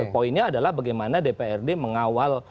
poinnya adalah bagaimana dprd mengawal